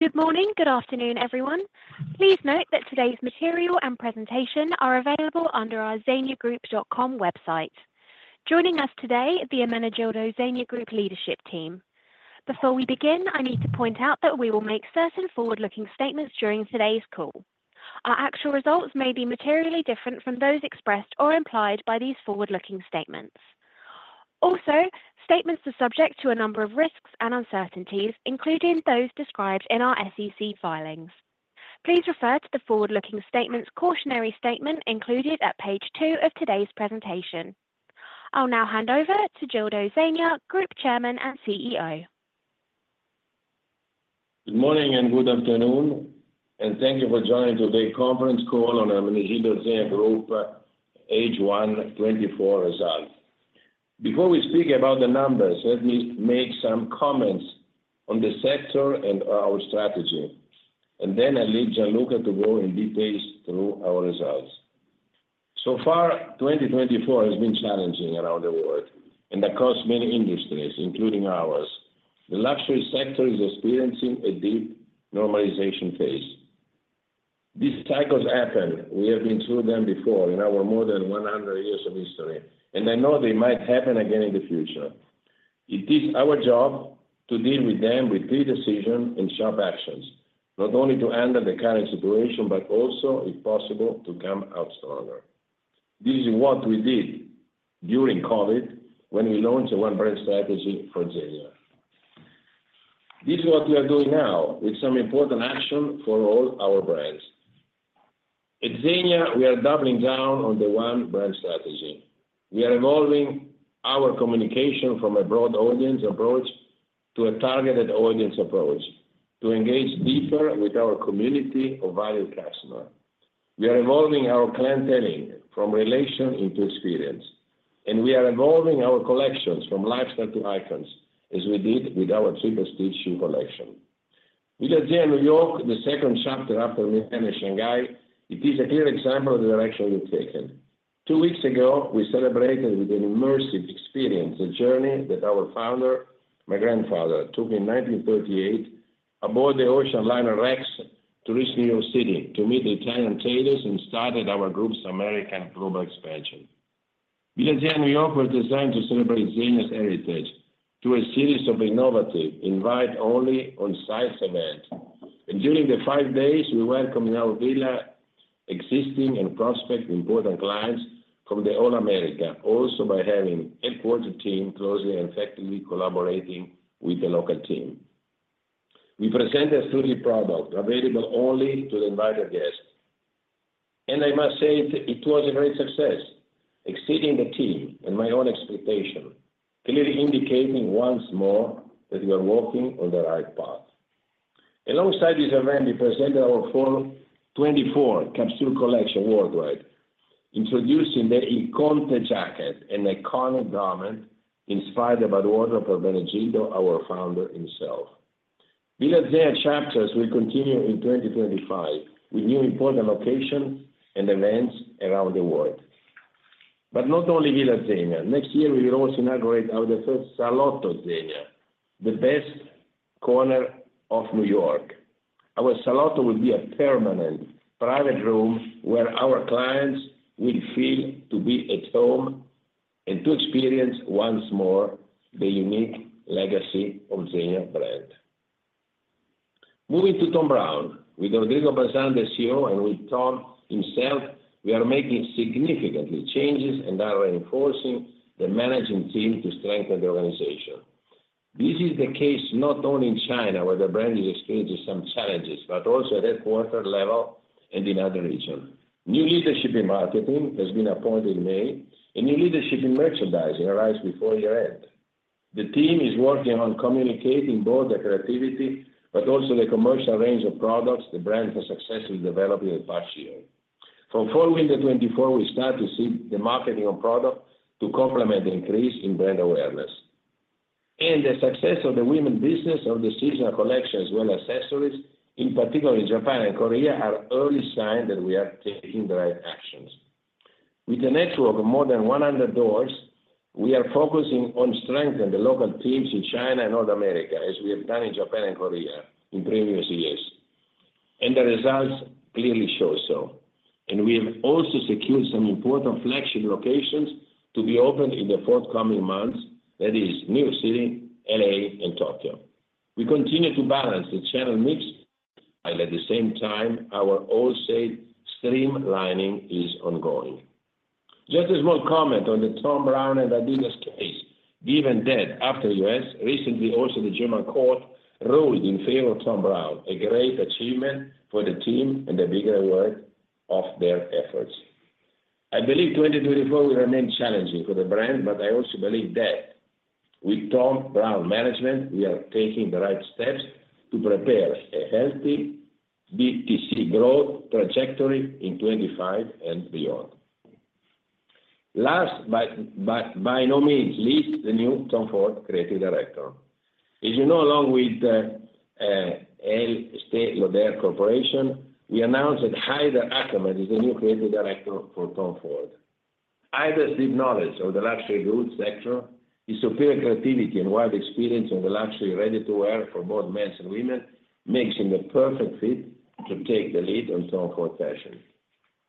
Good morning, good afternoon, everyone. Please note that today's material and presentation are available under our zegnagroup.com website. Joining us today, the Ermenegildo Zegna Group leadership team. Before we begin, I need to point out that we will make certain forward-looking statements during today's call. Our actual results may be materially different from those expressed or implied by these forward-looking statements. Also, statements are subject to a number of risks and uncertainties, including those described in our SEC filings. Please refer to the forward-looking statements cautionary statement included at page two of today's presentation. I'll now hand over to Gildo Zegna, Group Chairman and CEO. Good morning, and good afternoon, and thank you for joining today's conference call on Ermenegildo Zegna Group H1 2024 results. Before we speak about the numbers, let me make some comments on the sector and our strategy, and then I'll leave Gianluca to go in details through our results. So far, 2024 has been challenging around the world, and across many industries, including ours. The luxury sector is experiencing a deep normalization phase. These cycles happen. We have been through them before in our more than one hundred years of history, and I know they might happen again in the future. It is our job to deal with them with clear decision and sharp actions, not only to handle the current situation, but also, if possible, to come out stronger. This is what we did during COVID, when we launched a one brand strategy for Zegna. This is what we are doing now with some important action for all our brands. At Zegna, we are doubling down on the one brand strategy. We are evolving our communication from a broad audience approach to a targeted audience approach, to engage deeper with our community of valued customer. We are evolving our brand telling from relation into experience, and we are evolving our collections from lifestyle to icons, as we did with our Triple Stitch shoe collection. Villa Zegna New York, the second chapter after Shanghai, it is a clear example of the direction we've taken. Two weeks ago, we celebrated with an immersive experience, the journey that our founder, my grandfather, took in nineteen thirty-eight aboard the ocean liner Rex, to reach New York City to meet the Italian tailors and started our group's American global expansion. Villa Zegna New York was designed to celebrate Zegna's heritage through a series of innovative, invite-only on-site events, and during the five days, we welcomed in our villa, existing and prospective important clients from all America, also by having headquarters team closely and effectively collaborating with the local team. We presented three products available only to the invited guests, and I must say, it was a great success, exceeding the team and my own expectations, clearly indicating once more that we are walking on the right path. Alongside this event, we presented our fall 2024 capsule collection worldwide, introducing the Il Conte jacket, an iconic garment inspired by the wardrobe of Ermenegildo, our founder himself. Villa Zegna chapters will continue in 2025 with new important locations and events around the world. But not only Villa Zegna, next year, we will also inaugurate our first Salotto Zegna, the best corner of New York. Our Salotto will be a permanent private room where our clients will feel to be at home and to experience once more the unique legacy of Zegna brand. Moving to Thom Browne, with Rodrigo Bazan, the CEO, and with Thom himself, we are making significantly changes and are reinforcing the management team to strengthen the organization. This is the case not only in China, where the brand is experiencing some challenges, but also at headquarters level and in other region. New leadership in marketing has been appointed in May, a new leadership in merchandising arrives before year end. The team is working on communicating both the creativity but also the commercial range of products the brand has successfully developed in the past year. From Fall Winter 2024, we start to see the marketing of product to complement the increase in brand awareness. The success of the women's business of the seasonal collection, as well as accessories, in particular in Japan and Korea, are early signs that we are taking the right actions. With a network of more than one hundred doors, we are focusing on strengthening the local teams in China and North America, as we have done in Japan and Korea in previous years, and the results clearly show so. We have also secured some important flagship locations to be opened in the forthcoming months, that is New York City, LA, and Tokyo. We continue to balance the channel mix, and at the same time, our wholesale streamlining is ongoing. Just a small comment on the Thom Browne and adidas case. Given that after U.S., recently also the German court ruled in favor of Thom Browne, a great achievement for the team and the bigger award of their efforts. I believe 2024 will remain challenging for the brand, but I also believe that with Thom Browne management, we are taking the right steps to prepare a healthy DTC growth trajectory in 2025 and beyond. Last, but by no means least, the new Tom Ford creative director. As you know, along with Estée Lauder Corporation, we announced that Haider Ackermann is the new creative director for Tom Ford. I have a deep knowledge of the luxury goods sector, his superior creativity and wide experience in the luxury ready-to-wear for both men's and women, makes him the perfect fit to take the lead on Tom Ford Fashion.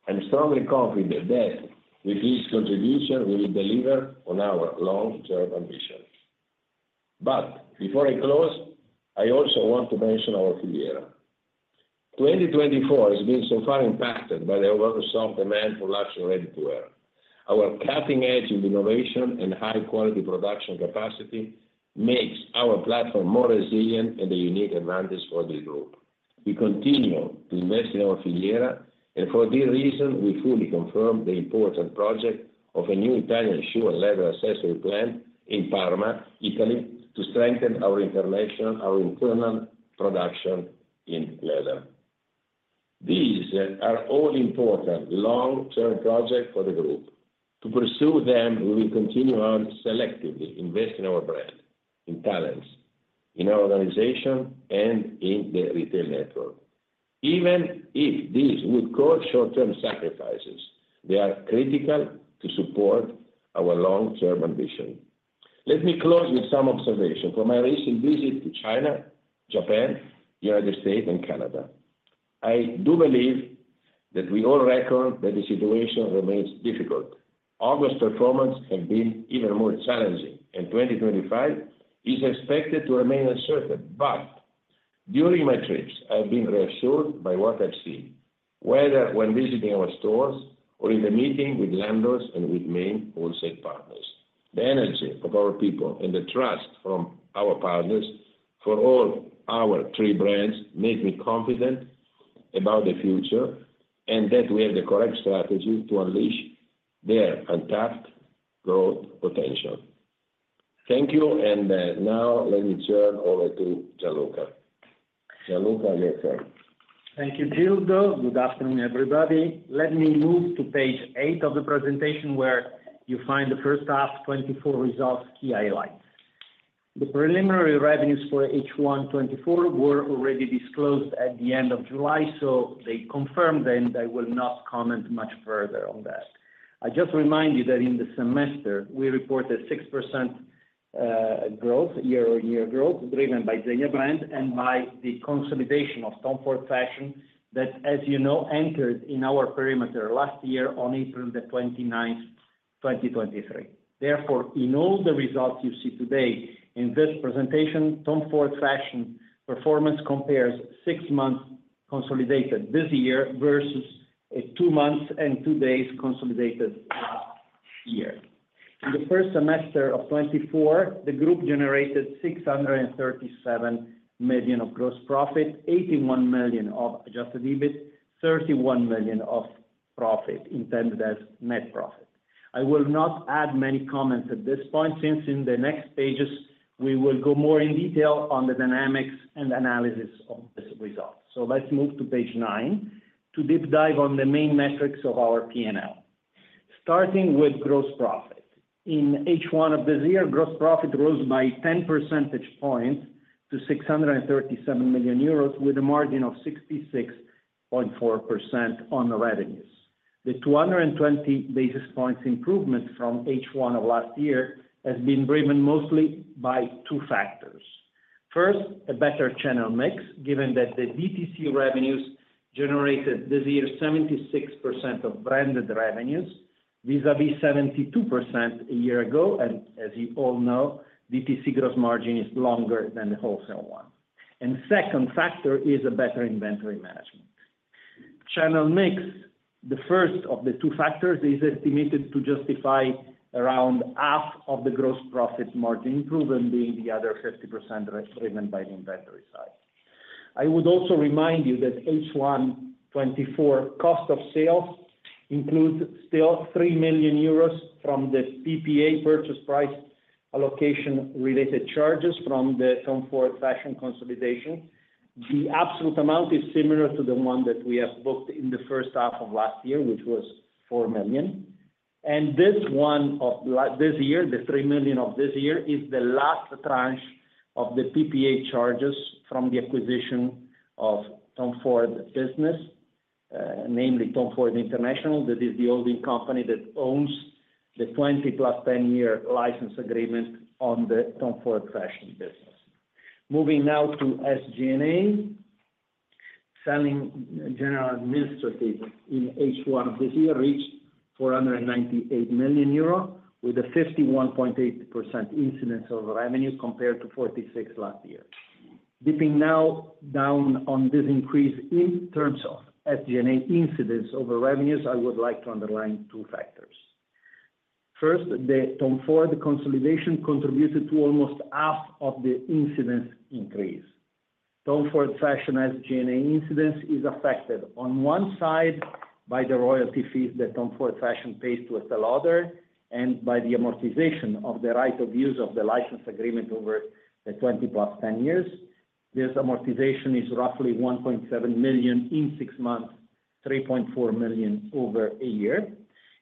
I'm strongly confident that with his contribution, we will deliver on our long-term ambition. But before I close, I also want to mention our filiera. 2024 has been so far impacted by the overall soft demand for luxury ready-to-wear. Our cutting edge in innovation and high quality production capacity makes our platform more resilient and a unique advantage for the group. We continue to invest in our filiera, and for this reason, we fully confirm the important project of a new Italian shoe and leather accessory plant in Parma, Italy, to strengthen our international, our internal production in leather. These are all important long-term project for the group. To pursue them, we will continue on selectively invest in our brand, in talents, in our organization, and in the retail network. Even if this would cause short-term sacrifices, they are critical to support our long-term ambition. Let me close with some observation from my recent visit to China, Japan, United States, and Canada. I do believe that we all reckon that the situation remains difficult. August performance have been even more challenging, and 2025 is expected to remain uncertain. But during my trips, I've been reassured by what I've seen, whether when visiting our stores or in the meeting with landlords and with main wholesale partners. The energy of our people and the trust from our partners for all our three brands, make me confident about the future, and that we have the correct strategy to unleash their untapped growth potential. Thank you, and now let me turn over to Gianluca. Gianluca, take it away. Thank you, Gildo. Good afternoon, everybody. Let me move to page 8 of the presentation, where you find the first half 2024 results, key highlights. The preliminary revenues for H1 2024 were already disclosed at the end of July, so they confirmed, and I will not comment much further on that. I just remind you that in the semester, we reported 6% growth, year-on-year growth, driven by Zegna brand and by the consolidation of Tom Ford Fashion, that, as you know, entered in our perimeter last year on April the twenty-ninth, 2023. Therefore, in all the results you see today in this presentation, Tom Ford Fashion performance compares six months consolidated this year versus two months and two days consolidated last year. In the first semester of 2024, the group generated 637 million of gross profit, 81 million of adjusted EBIT, 31 million of profit, intended as net profit. I will not add many comments at this point, since in the next pages, we will go more in detail on the dynamics and analysis of this result. So let's move to page 9, to deep dive on the main metrics of our P&L. Starting with gross profit. In H1 of this year, gross profit rose by 10 percentage points to 637 million euros, with a margin of 66.4% on the revenues. The 220 basis points improvement from H1 of last year has been driven mostly by two factors. First, a better channel mix, given that the DTC revenues generated this year 76% of branded revenues, vis-à-vis 72% a year ago, and as you all know, DTC gross margin is longer than the wholesale one. And second factor is a better inventory management. Channel mix, the first of the two factors, is estimated to justify around half of the gross profit margin improvement, being the other 50% driven by the inventory side. I would also remind you that H1 2024 cost of sales includes still 3 million euros from the PPA purchase price allocation related charges from the Tom Ford Fashion consolidation. The absolute amount is similar to the one that we have booked in the first half of last year, which was 4 million. And this one of this year, the 3 million of this year, is the last tranche of the PPA charges from the acquisition of the Tom Ford business, namely Tom Ford International. That is the holding company that owns the 20-plus 10-year license agreement on the Tom Ford fashion business. Moving now to SG&A. Selling, general, and administrative in H1 of this year reached 498 million euro, with a 51.8% incidence over revenue, compared to 46% last year. Dipping now down on this increase in terms of SG&A incidence over revenues, I would like to underline two factors: First, the Tom Ford consolidation contributed to almost half of the incidence increase. Tom Ford Fashion SG&A incidence is affected on one side by the royalty fees that Tom Ford Fashion pays to Estée Lauder, and by the amortization of the right of use of the license agreement over the twenty plus ten years. This amortization is roughly €1.7 million in six months, €3.4 million over a year.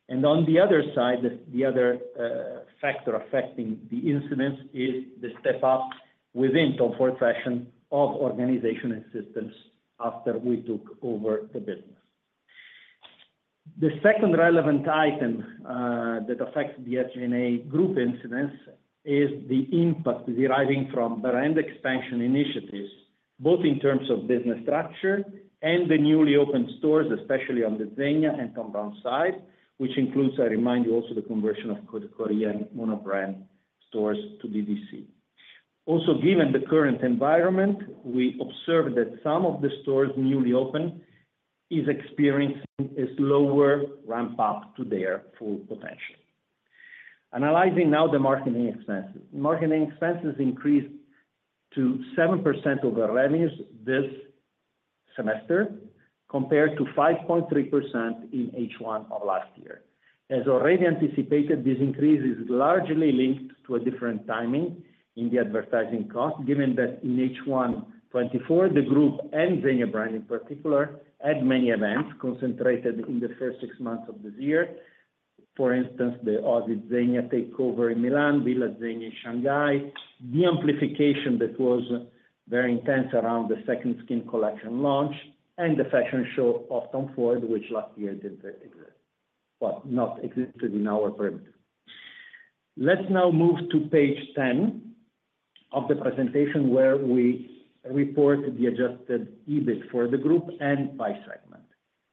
And on the other side, the other factor affecting the incidence is the step up within Tom Ford Fashion of organization and systems costs after we took over the business. The second relevant item that affects the SG&A group incidence is the input deriving from brand expansion initiatives, both in terms of business structure and the newly opened stores, especially on the Zegna and Thom Browne side, which includes, I remind you, also the conversion of Korea and Japan monobrand stores to DTC. Also, given the current environment, we observed that some of the stores newly opened, is experiencing a slower ramp-up to their full potential. Analyzing now the marketing expenses. Marketing expenses increased to 7% of the revenues this semester, compared to 5.3% in H1 of last year. As already anticipated, this increase is largely linked to a different timing in the advertising cost, given that in H1 2024, the group and Zegna brand, in particular, had many events concentrated in the first six months of this year. For instance, the Oasi Zegna takeover in Milan, Villa Zegna in Shanghai, the amplification that was very intense around the Second Skin collection launch, and the fashion show of Tom Ford, which last year did exist, but not existed in our perimeter. Let's now move to page 10 of the presentation, where we report the adjusted EBIT for the group and by segment.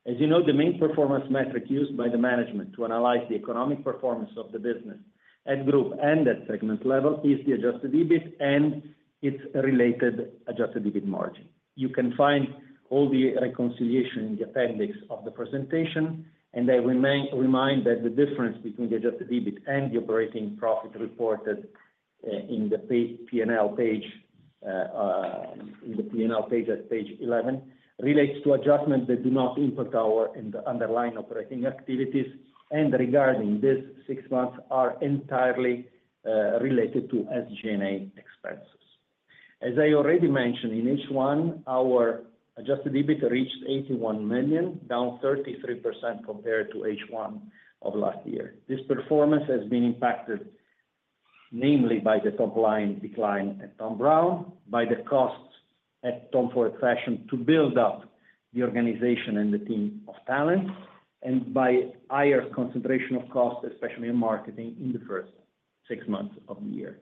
As you know, the main performance metric used by the management to analyze the economic performance of the business at group and at segment level, is the adjusted EBIT and its related adjusted EBIT margin. You can find all the reconciliation in the appendix of the presentation, and I remind that the difference between the adjusted EBIT and the operating profit reported in the P&L page at page 11 relates to adjustments that do not impact in the underlying operating activities, and regarding this six months, are entirely related to SG&A expenses. As I already mentioned, in H1, our adjusted EBIT reached €81 million, down 33% compared to H1 of last year. This performance has been impacted, namely by the top line decline at Thom Browne, by the costs at Tom Ford Fashion to build up the organization and the team of talent, and by higher concentration of costs, especially in marketing, in the first six months of the year.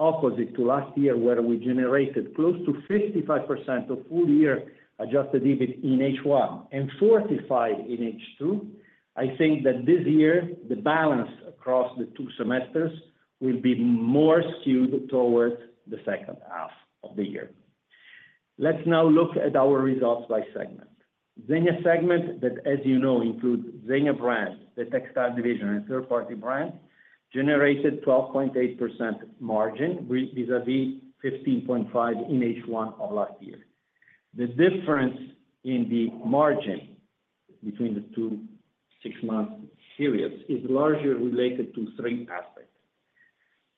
Opposite to last year, where we generated close to 55% of full-year adjusted EBIT in H1 and 45% in H2, I think that this year, the balance across the two semesters will be more skewed towards the second half of the year. Let's now look at our results by segment. Zegna segment that, as you know, includes Zegna brand, the textile division, and third-party brands, generated 12.8% margin, which vis-à-vis 15.5% in H1 of last year. The difference in the margin between the two six-month periods is largely related to three aspects.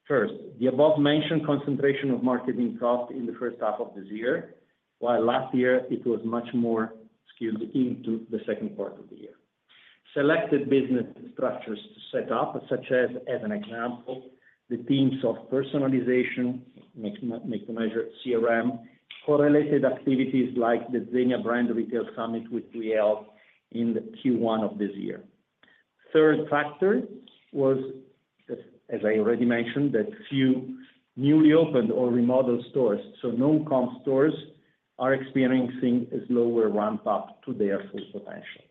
First, the above-mentioned concentration of marketing costs in the first half of this year, while last year it was much more skewed into the second part of the year. Selected business structures to set up, such as, as an example, the themes of personalization, Made-to-Measure CRM, correlated activities like the Zegna Brand Retail Summit, which we held in the Q1 of this year. Third factor was, as I already mentioned, that few newly opened or remodeled stores, so no comp stores, are experiencing a slower ramp-up to their full potential.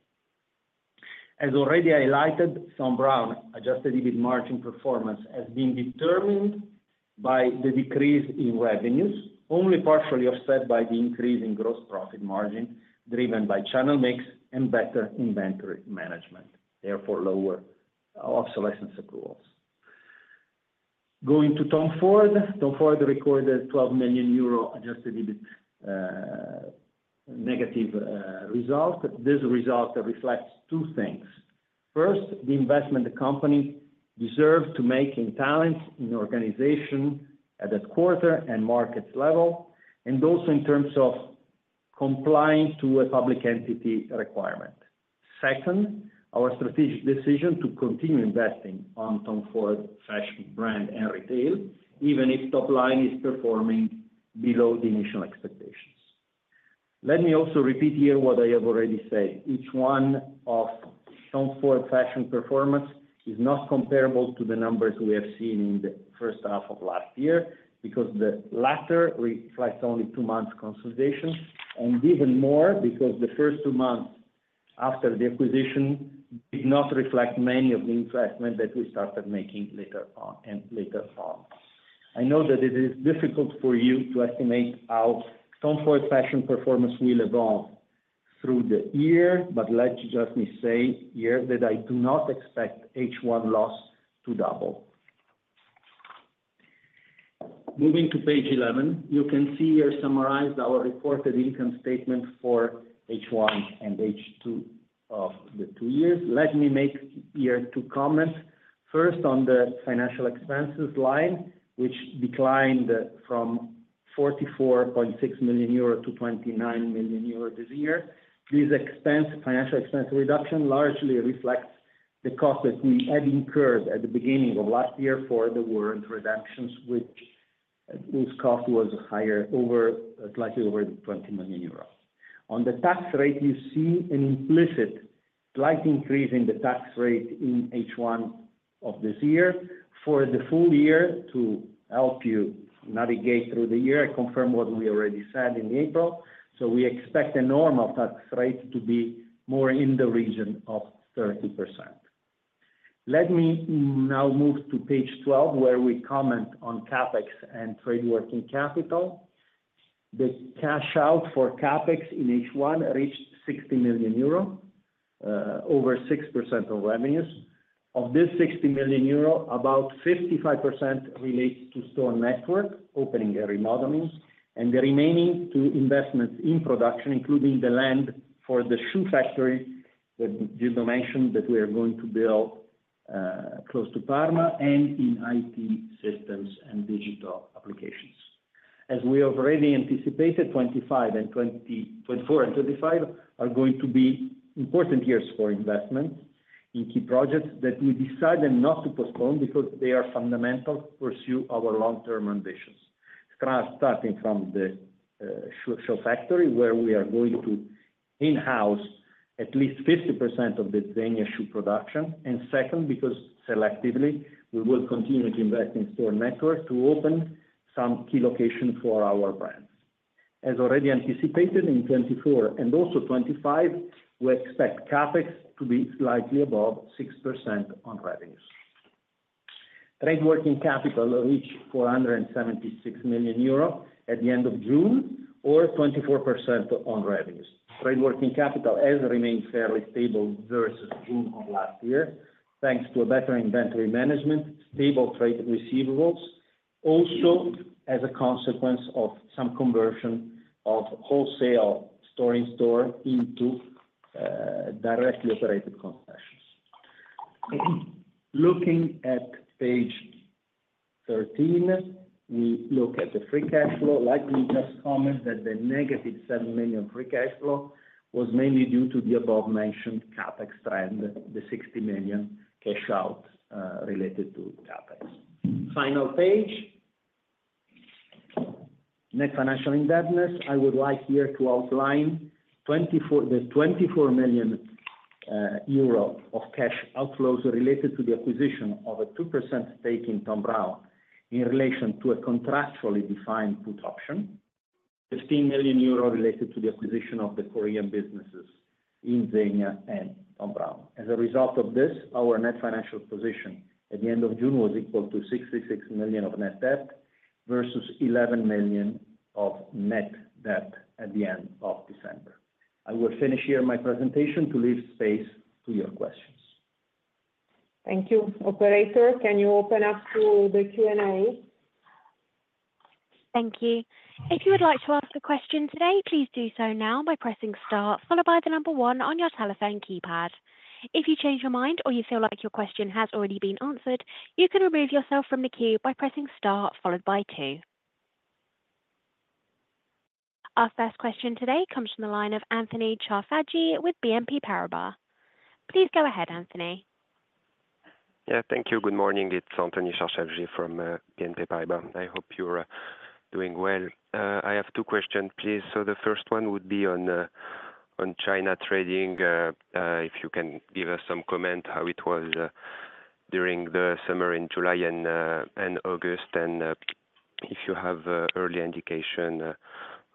As already highlighted, Thom Browne adjusted EBIT margin performance has been determined by the decrease in revenues, only partially offset by the increase in gross profit margin, driven by channel mix and better inventory management, therefore, lower obsolescence approvals. Going to Tom Ford. Tom Ford recorded 12 million euro adjusted EBIT, negative result. This result reflects two things. First, the investment the company deserves to make in talent, in organization, at a quarter and markets level, and also in terms of complying to a public entity requirement. Second, our strategic decision to continue investing on Tom Ford Fashion brand and retail, even if top line is performing below the initial expectations. Let me also repeat here what I have already said. Each one of Tom Ford Fashion performance is not comparable to the numbers we have seen in the first half of last year, because the latter reflects only two months consolidation, and even more, because the first two months after the acquisition did not reflect many of the investments that we started making later on. I know that it is difficult for you to estimate how Tom Ford Fashion performance will evolve through the year, but let me just say here that I do not expect H1 loss to double. Moving to page 11, you can see here summarized our reported income statement for H1 and H2 of the two years. Let me make here two comments. First, on the financial expenses line, which declined from 44.6 million euro to 29 million euro this year. This expense, financial expense reduction largely reflects the cost that we had incurred at the beginning of last year for the warrant reductions, which this cost was higher, slightly over 20 million euros. On the tax rate, you see an implicit slight increase in the tax rate in H1 of this year. For the full year, to help you navigate through the year, I confirm what we already said in April. So we expect a normal tax rate to be more in the region of 30%. Let me now move to page 12, where we comment on CapEx and trade working capital. The cash out for CapEx in H1 reached 60 million euro, over 6% of revenues. Of this 60 million euro, about 55% relates to store network, opening and remodeling, and the remaining to investments in production, including the land for the shoe factory, that Gildo mentioned, that we are going to build, close to Parma and in IT systems and digital applications. As we have already anticipated, 2025 and 2024 and 2025 are going to be important years for investment in key projects that we decided not to postpone because they are fundamental to pursue our long-term ambitions. Starting from the shoe factory, where we are going to in-house at least 50% of the Zegna shoe production, and second, because selectively, we will continue to invest in store network to open some key locations for our brands. As already anticipated, in 2024 and also 2025, we expect CapEx to be slightly above 6% on revenues. Trade Working Capital reached 476 million euro at the end of June, or 24% on revenues. Trade Working Capital has remained fairly stable versus June of last year, thanks to a better inventory management, stable trade receivables, also as a consequence of some conversion of wholesale store-in-store into directly operated concessions. Looking at page 13, we look at the free cash flow. Like we just commented, that the negative 7 million free cash flow was mainly due to the above-mentioned CapEx trend, the 60 million cash out related to CapEx. Final page. Net financial indebtedness, I would like here to outline 24 million euro of cash outflows related to the acquisition of a 2% stake in Thom Browne in relation to a contractually defined put option. 15 million euro related to the acquisition of the Korean businesses in Zegna and Thom Browne. As a result of this, our net financial position at the end of June was equal to 66 million of net debt, versus 11 million of net debt at the end of December. I will finish here my presentation to leave space to your questions. Thank you. Operator, can you open up to the Q&A? Thank you. If you would like to ask a question today, please do so now by pressing star, followed by the number one on your telephone keypad. If you change your mind or you feel like your question has already been answered, you can remove yourself from the queue by pressing star followed by two. Our first question today comes from the line of Anthony Charchafji with BNP Paribas. Please go ahead, Anthony. Yeah, thank you. Good morning, it's Anthony Charchafji from BNP Paribas. I hope you're doing well. I have two questions, please. So the first one would be on China trading. If you can give us some comment, how it was during the summer in July and August, and if you have early indication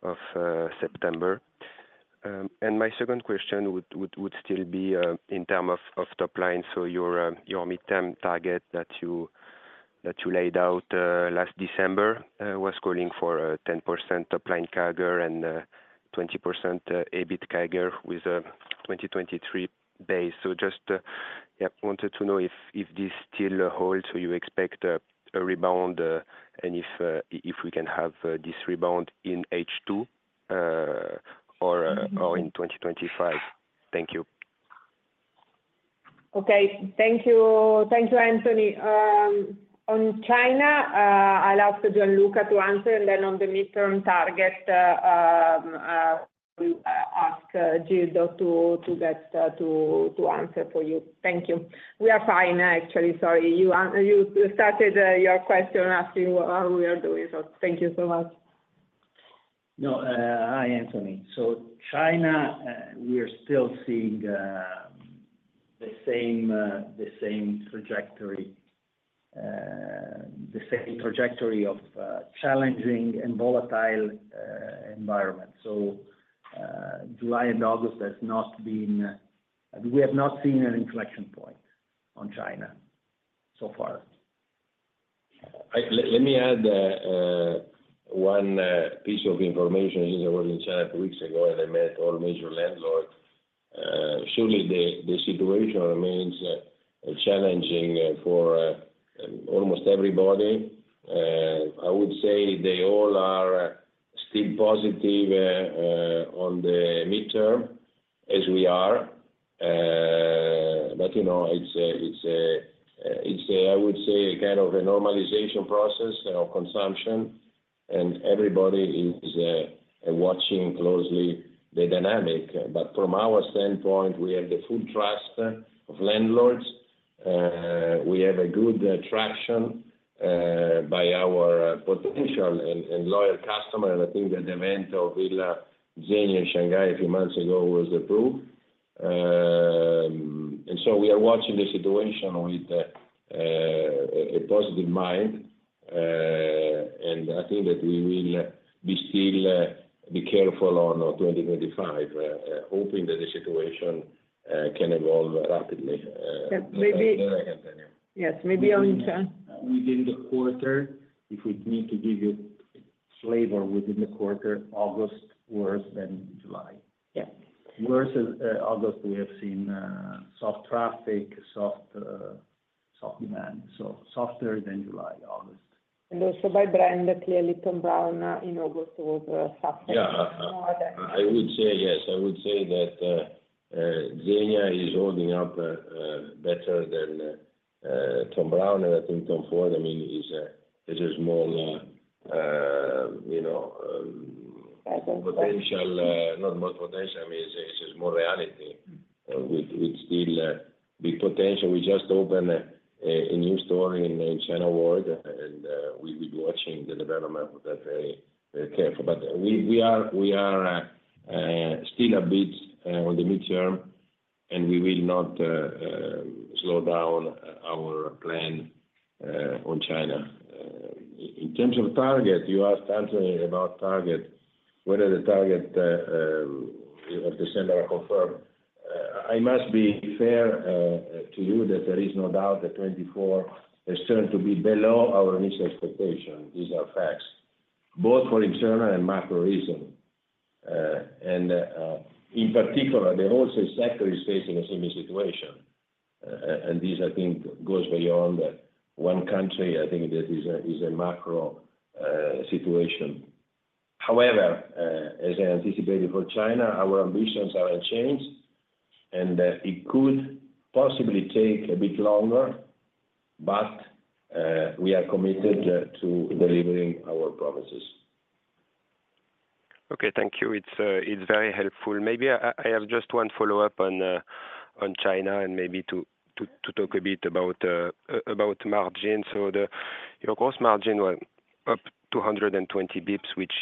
of September, and my second question would still be in terms of top line, so your midterm target that you laid out last December was calling for a 10% top line CAGR and 20% EBIT CAGR with a 2023 base. So just, yeah, wanted to know if this still holds, so you expect a rebound, and if we can have this rebound in H2, or in twenty twenty-five? Thank you. Okay. Thank you. Thank you, Anthony. On China, I'll ask Gianluca to answer, and then on the midterm target, we ask Gildo to answer for you. Thank you. We are fine, actually. Sorry, you started your question asking how we are doing, so thank you so much. No, hi, Anthony. So China, we are still seeing the same trajectory of challenging and volatile environment. So, July and August has not been... We have not seen an inflection point on China so far. Let me add one piece of information. I was in China a few weeks ago, and I met all major landlords. Surely, the situation remains challenging for almost everybody. I would say they all are still positive on the midterm, as we are, but, you know, it's a kind of a normalization process of consumption, and everybody is watching closely the dynamic, but from our standpoint, we have the full trust of landlords. We have a good traction by our potential and loyal customer, and I think the event of Villa Zegna in Shanghai a few months ago was approved, and so we are watching the situation with a positive mind. And I think that we will still be careful on our 2025, hoping that the situation can evolve rapidly. Yeah, maybe- Go ahead, Anthony. Yes, maybe one in turn. Within the quarter, if we need to give you flavor within the quarter, August worse than July. Yeah. Worse, as August, we have seen soft traffic, soft demand, so softer than July, August. Also by brand, clearly, Thom Browne in August was softer. Yeah. More than- I would say yes. I would say that, Zegna is holding up, better than, Thom Browne, and I think Tom Ford, I mean, is a, it is more, you know- Potencial. -potential, not more potential, I mean, it's just more reality with still big potential. We just opened a new store in the China World, and we'll be watching the development of that very careful. But we are still a bit on the midterm, and we will not slow down our plan on China. In terms of target, you asked Anthony about target, whether the target of the quarter are confirmed. I must be fair to you that there is no doubt that 2024 is turned to be below our initial expectation. These are facts, both for internal and macro reason. In particular, the whole sector is facing a similar situation. This, I think, goes beyond one country. I think this is a macro situation. However, as I anticipated for China, our ambitions are unchanged, and it could possibly take a bit longer, but we are committed to delivering our promises. Okay, thank you. It's very helpful. Maybe I have just one follow-up on China and maybe to talk a bit about margin. So your gross margin went up 220 basis points,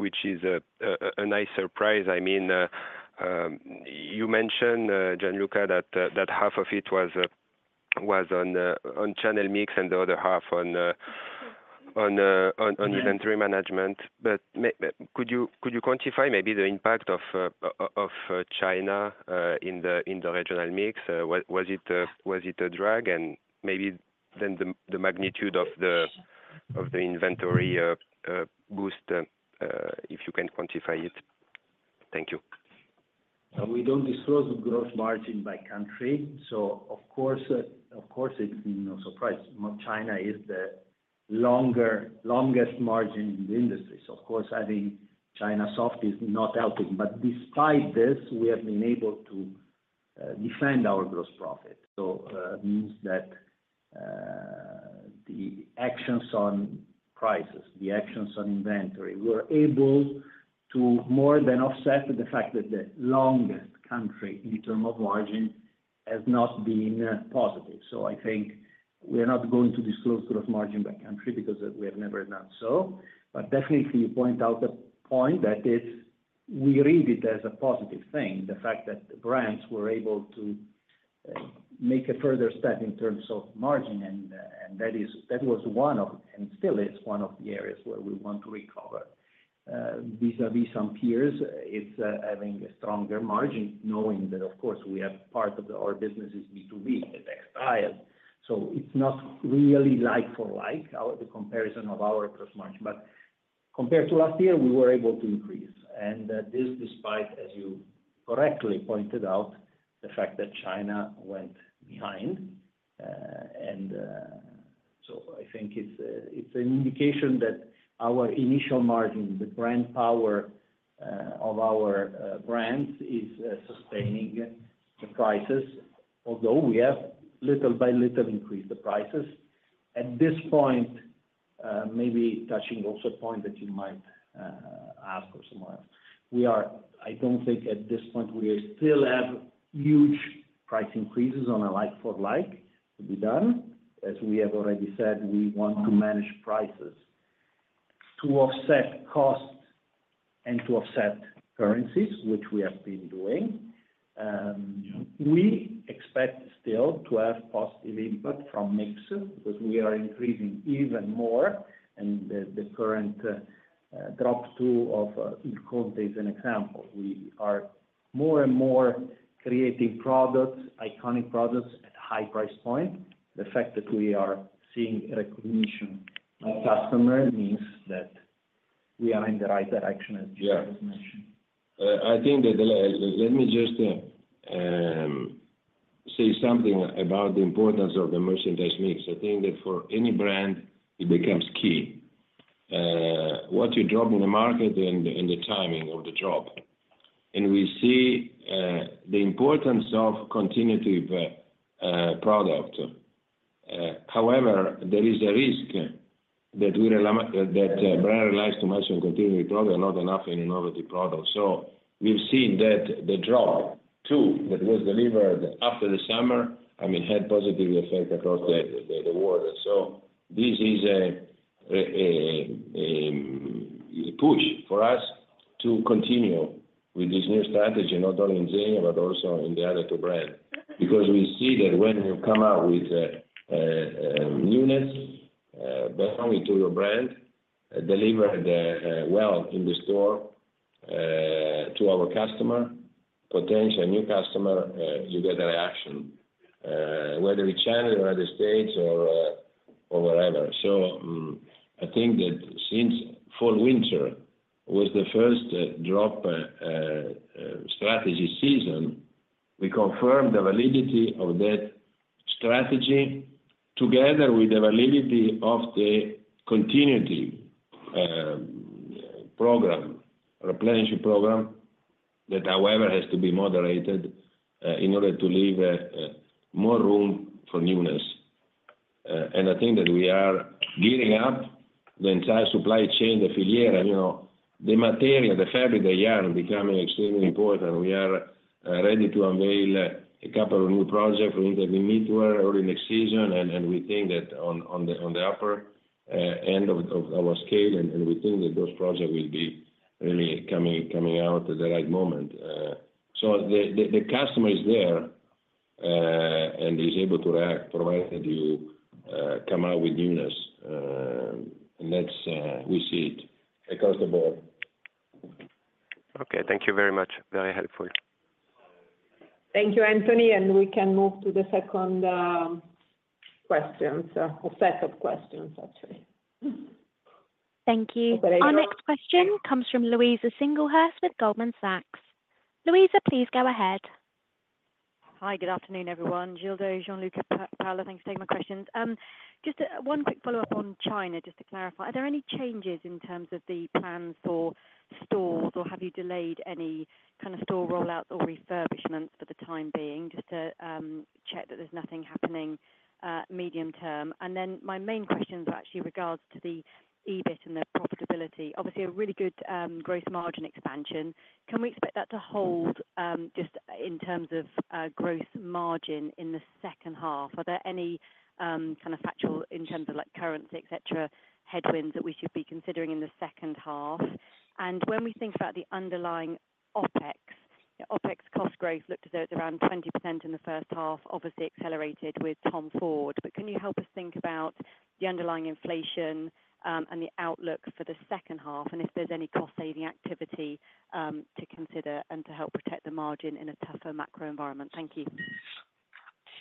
which is a nice surprise. I mean, you mentioned, Gianluca, that half of it was on channel mix and the other half on Mm-hmm... on inventory management. But could you quantify maybe the impact of China in the regional mix? Was it a drag? And maybe then the magnitude of the- Sure... of the inventory, boost, if you can quantify it. Thank you. We don't disclose the gross margin by country, so of course, of course, it's no surprise. China is the largest margin in the industry. So of course, I think China softness is not helping, but despite this, we have been able to defend our gross profit. So means that the actions on prices, the actions on inventory, we're able to more than offset the fact that the largest country in terms of margin has not been positive. So I think we are not going to disclose gross margin by country because we have never done so. But definitely, if you point out the point, that is, we read it as a positive thing, the fact that the brands were able to make a further step in terms of margin, and, and that is—that was one of, and still is, one of the areas where we want to recover. Vis-à-vis some peers, it's having a stronger margin, knowing that, of course, we have part of our business is B2B at textile. So it's not really like for like, our, the comparison of our gross margin. But compared to last year, we were able to increase, and this despite, as you correctly pointed out, the fact that China went behind. So I think it's an indication that our initial margin, the brand power of our brands, is sustaining the prices, although we have little by little increased the prices. At this point, maybe touching also a point that you might ask or someone else, I don't think at this point we still have huge price increases on a like for like to be done. As we have already said, we want to manage prices to offset costs and to offset currencies, which we have been doing. We expect still to have positive input from mix, because we are increasing even more, and the current Drop 2, in quotes, is an example. We are more and more creating products, iconic products, at high price point. The fact that we are seeing recognition of customer means that we are in the right direction, as- Yeah... Gianluca mentioned. I think that, let me just, say something about the importance of the merchandise mix. I think that for any brand, it becomes key what you drop in the market and the timing of the drop. And we see the importance of continuity product. However, there is a risk that brand relies too much on continuity product, not enough in novelty products. So we've seen that the drop 2 that was delivered after the summer, I mean, had positive effect across the world. So this is a push for us to continue with this new strategy, not only in Zegna, but also in the other two brand. Because we see that when you come out with newness belonging to your brand, deliver the well in the store to our customer, potential new customer, you get a reaction whether in China or other states or wherever. So I think that since fall winter was the first drop strategy season, we confirmed the validity of that strategy, together with the validity of the continuity program, replenishment program, that however has to be moderated in order to leave more room for newness. And I think that we are gearing up the entire supply chain, the Filiera, you know, the material, the fabric, the yarn, becoming extremely important. We are ready to unveil a couple of new projects in the menswear early next season, and we think that on the upper end of our scale those projects will be really coming out at the right moment, so the customer is there and is able to act provided you come out with newness, and that's. We see it across the board. Okay, thank you very much. Very helpful. Thank you, Anthony, and we can move to the second question, so a set of questions, actually. Thank you. Our next question comes from Louise Singlehurst with Goldman Sachs. Louise, please go ahead. Hi, good afternoon, everyone. Gildo, Gianluca, Paola, thanks for taking my questions. Just, one quick follow-up on China, just to clarify, are there any changes in terms of the plans for stores, or have you delayed any kind of store rollouts or refurbishments for the time being, just to check that there's nothing happening, medium term? And then my main questions are actually regards to the EBIT and the profitability. Obviously, a really good growth margin expansion. Can we expect that to hold, just in terms of growth margin in the second half? Are there any kind of factors in terms of like currency, et cetera, headwinds that we should be considering in the second half? When we think about the underlying OpEx, OpEx cost growth looked as though it's around 20% in the first half, obviously accelerated with Tom Ford. Can you help us think about the underlying inflation, and the outlook for the second half, and if there's any cost-saving activity, to consider and to help protect the margin in a tougher macro environment? Thank you.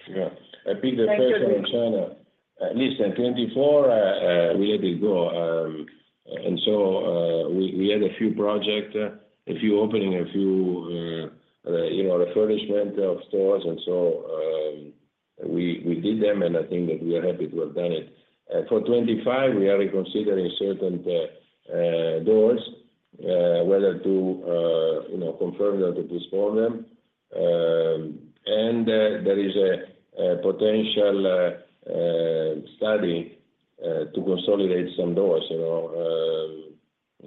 Yeah. I think the question in China, at least in 2024, we had to go, and so, we had a few projects, a few openings, a few, you know, refurbishments of stores, and so, we did them, and I think that we are happy to have done it. For 2025, we are reconsidering certain doors, whether to, you know, confirm or to postpone them. There is a potential study to consolidate some doors, you know.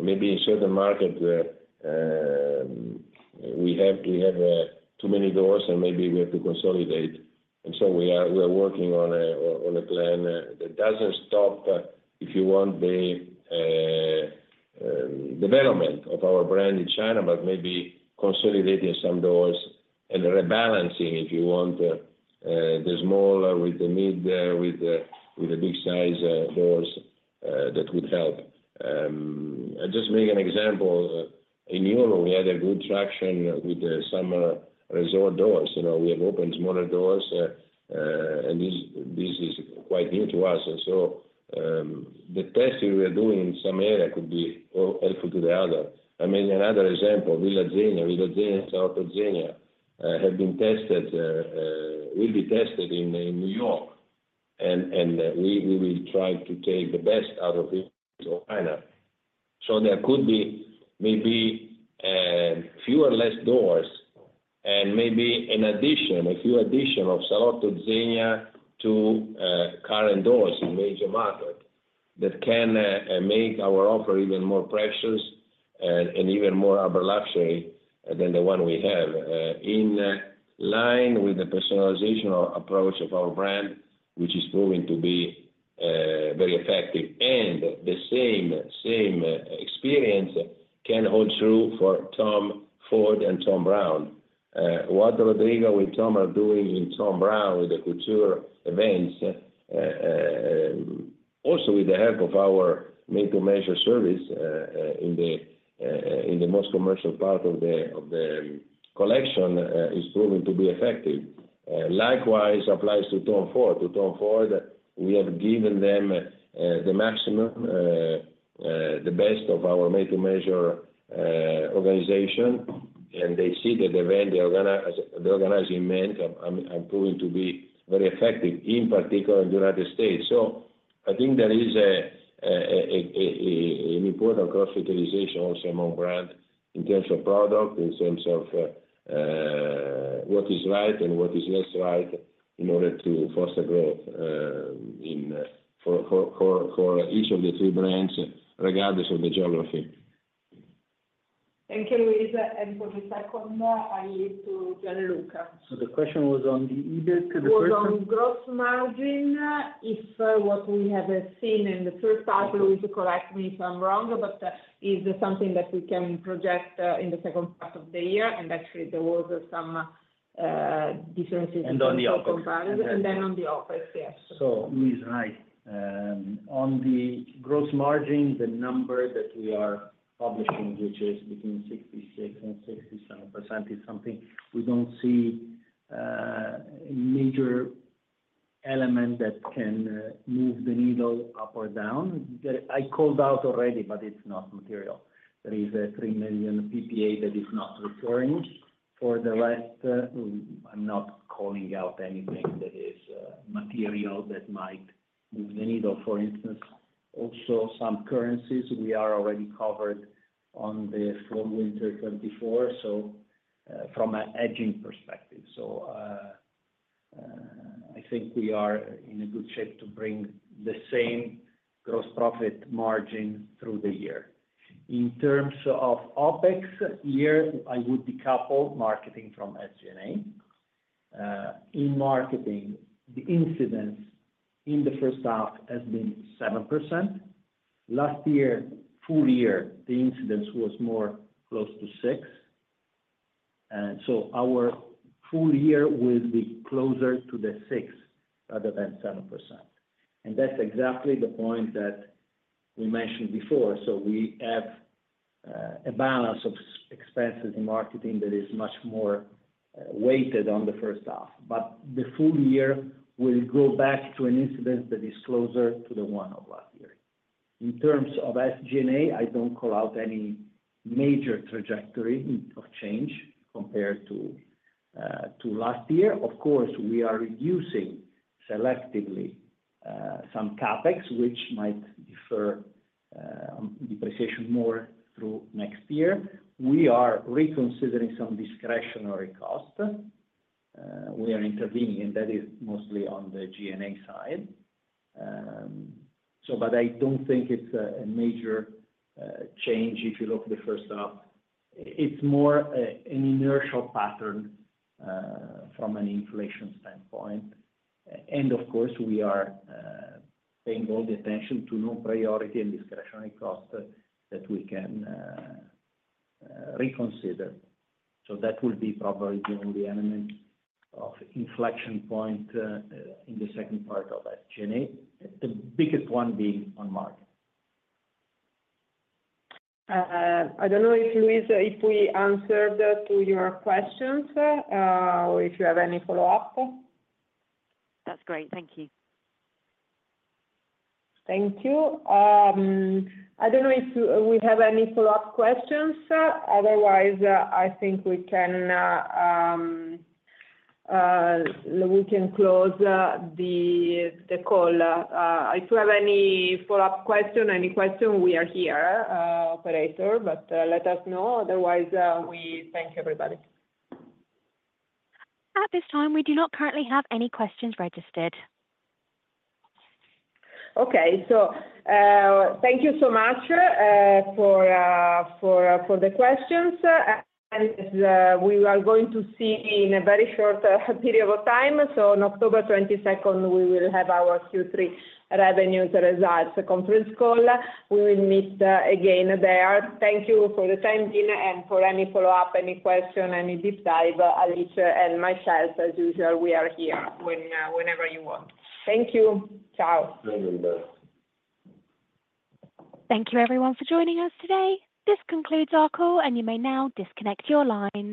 Maybe in certain markets, we have too many doors, and maybe we have to consolidate. And so we are working on a plan that doesn't stop, if you want, the development of our brand in China, but maybe consolidating some doors and rebalancing, if you want, the small with the mid, with the big size doors, that would help. I'll just make an example. In Europe, we had a good traction with the summer resort doors. You know, we have opened smaller doors, and this is quite new to us. And so, the testing we are doing in some area could be helpful to the other. I mean, another example, Villa Zegna. Salotto Zegna have been tested, will be tested in New York, and we will try to take the best out of it to China. There could be maybe fewer less doors and maybe in addition a few addition of Salotto Zegna to current doors in major market that can make our offer even more precious and even more upper luxury than the one we have in line with the personalization approach of our brand, which is proving to be very effective. And the same experience can hold true for Tom Ford and Thom Browne. What Rodrigo and Tom are doing in Thom Browne with the couture events also with the help of our made-to-measure service in the most commercial part of the collection is proving to be effective. Likewise applies to Tom Ford. To Tom Ford, we have given them the maximum, the best of our made-to-measure organization, and they see that the events they organize in Milan are proving to be very effective, in particular in the United States. I think there is an important cross-utilization also among brands in terms of product, in terms of what is right and what is less right in order to foster growth for each of the three brands, regardless of the geography. Thank you, Louise, and for the second one, I leave to Gianluca. So the question was on the EBIT, the first one? Was on gross margin, if what we have seen in the first half, Louise, correct me if I'm wrong, but, is there something that we can project in the second half of the year? And actually, there was some differences- On the OpEx. And then, on the OpEx, yes. So Louise is right. On the gross margin, the number that we are publishing, which is between 66%-67%, is something we don't see a major element that can move the needle up or down. That I called out already, but it's not material. There is a €3 million PPA that is not recurring. For the rest, I'm not calling out anything that is material that might move the needle. For instance, also some currencies, we are already covered on the full winter 2024, so from an hedging perspective. I think we are in a good shape to bring the same gross profit margin through the year. In terms of OpEx, here, I would decouple marketing from SG&A. In marketing, the incidence in the first half has been 7%. Last year, full year, the incidence was more close to 6%. And so our full year will be closer to the 6% rather than 7%. And that's exactly the point that we mentioned before. So we have a balance of expenses in marketing that is much more weighted on the first half, but the full year will go back to an incidence that is closer to the one of last year. In terms of SG&A, I don't call out any major trajectory of change compared to last year. Of course, we are reducing selectively some CapEx, which might defer depreciation more through next year. We are reconsidering some discretionary costs. We are intervening, and that is mostly on the G&A side. So but I don't think it's a major change if you look at the first half. It's more an inertial pattern from an inflation standpoint. And of course, we are paying all the attention to non-priority and discretionary costs that we can reconsider. So that will be probably the only element of inflection point in the second part of SG&A, the biggest one being on market. I don't know if, Louise, if we answered to your questions, or if you have any follow-up? That's great. Thank you. Thank you. I don't know if we have any follow-up questions. Otherwise, I think we can close the call. If you have any follow-up question, any question, we are here, operator, but let us know. Otherwise, we thank everybody. At this time, we do not currently have any questions registered. Thank you so much for the questions. We are going to see in a very short period of time, so on October twenty-second, we will have our Q3 revenue results conference call. We will meet again there. Thank you for the time, Gina, and for any follow-up, any question, any deep dive. Alicia and myself, as usual, we are here whenever you want. Thank you. Ciao. Thank you, bye. Thank you everyone for joining us today. This concludes our call, and you may now disconnect your lines.